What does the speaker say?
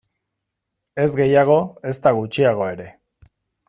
Ez gehiago, ezta gutxiago ere.